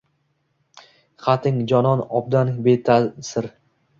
Xating, jonon, obdan beta’sir